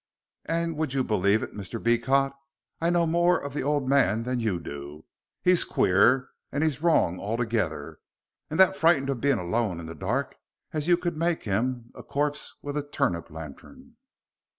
And would you believe it, Mr. Beecot, I know no more of the old man than you do. He's queer, and he's wrong altogether, and that frightened of being alone in the dark as you could make him a corp with a turnip lantern."